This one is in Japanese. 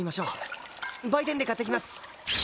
売店で買ってきます。